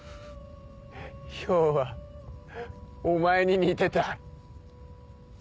漂はお前に似てた。